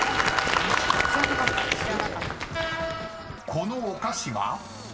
［このお菓子は？］